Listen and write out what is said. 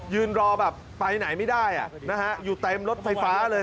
ยืนรอแบบไปไหนไม่ได้อยู่เต็มรถไฟฟ้าเลย